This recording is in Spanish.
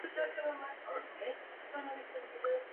Su padre tenía una tienda de comestibles, Martin's Foods.